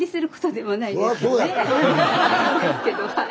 そうですけどはい。